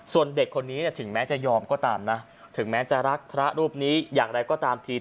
ส่วนเด็กคนนี้ถึงแม้จะยอมก็ตามนะถึงแม้จะรักพระรูปนี้อย่างไรก็ตามที